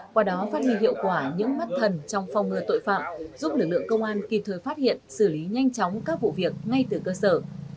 qua đó phát huy hiệu quả những mắt thần trong phòng ngừa tội phạm giúp lực lượng công an kịp thời phát hiện xử lý nhanh chóng các vụ việc ngay từ cơ sở